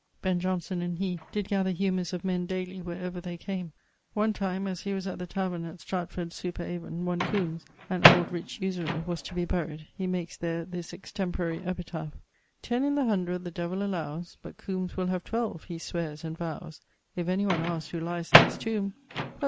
Ben Johnson and he did gather humours of men dayly where ever they came. One time as he was at the tavern at Stratford super Avon, one Combes, an old rich usurer, was to be buryed, he makes there this extemporary epitaph, Ten in the hundred the Devill allowes, But Combes will have twelve, he sweares and vowes: If any one askes who lies in this tombe, 'Hoh!'